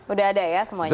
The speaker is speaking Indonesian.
udah ada ya semuanya